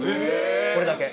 これだけ。